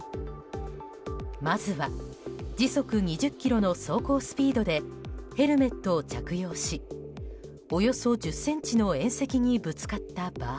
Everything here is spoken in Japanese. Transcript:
まずは時速２０キロの走行スピードでヘルメットを着用しおよそ１０ｃｍの縁石にぶつかった場合。